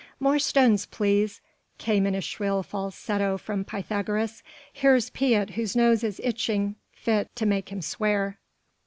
"More stones please," came in a shrill falsetto from Pythagoras, "here's Piet whose nose is itching fit to make him swear."